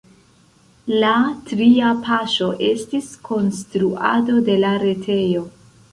La tria paŝo estis konstruado de la retejo.